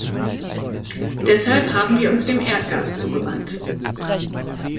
Deshalb haben wir uns dem Erdgas zugewandt.